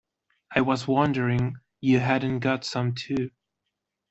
I was wondering you hadn’t got some too.